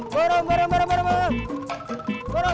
boram baram baram baram